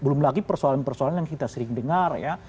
belum lagi persoalan persoalan yang kita sering dengar ya